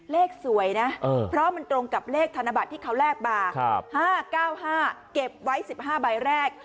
เลขสวยนะเพราะมันตรงกับเลขธนบัตรที่เขาแลกมา๕๙๕เก็บไว้๑๕ใบแรก